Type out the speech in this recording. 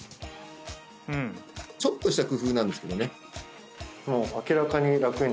ちょっとした工夫なんですけどね